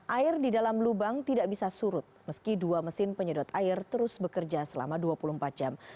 air di dalam lubang tidak bisa surut meski dua mesin penyedot air terus bekerja selama dua puluh empat jam